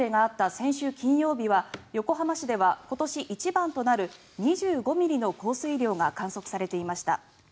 先週金曜日は横浜市では、今年一番となる２５ミリの降水量が観測されていました。